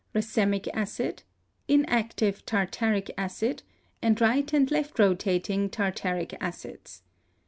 racemic acid, inactive tartaric acid, and right and left rotating tartaric acids.